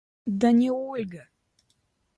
Да не Ольга!